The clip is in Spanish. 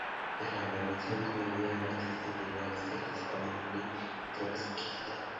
En la organización convivían activistas de ideas socialistas, comunistas y trotskistas.